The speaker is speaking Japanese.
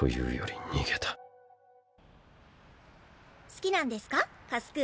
好きなんですか？